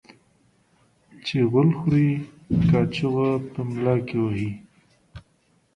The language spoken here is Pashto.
چي غول خوري ، کاچوغه په ملا کې وهي.